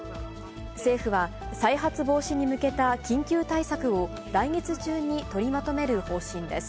政府は、再発防止に向けた緊急対策を来月中に取りまとめる方針です。